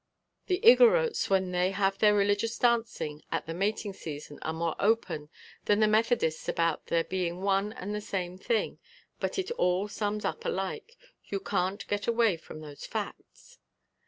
The Igorrotes when they have their religious dancing at the mating season are more open than the Methodists about their being one and the same thing, but it all sums up alike. You can't get away from those facts."